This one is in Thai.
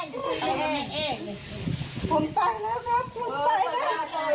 โตเหลือแม่แกโตเหลือแม่แก